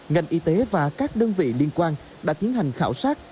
ngành y tế và các đơn vị liên quan đã tiến hành khảo sát